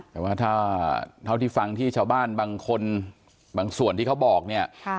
แต่ว่าถ้าเท่าที่ฟังที่ชาวบ้านบางคนบางส่วนที่เขาบอกเนี่ย